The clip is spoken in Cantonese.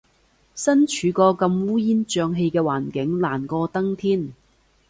身處個咁烏煙瘴氣嘅環境，難過登天